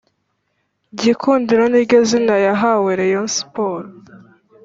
gikundiro niryo zina yahaye reyo siporo.